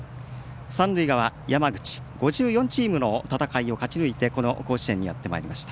三塁側、山口、５４チームの戦いを勝ち抜いてこの甲子園にやってまいりました。